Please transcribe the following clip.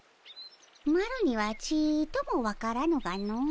マロにはちとも分からぬがの。